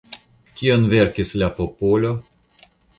Kion verkis la popolo?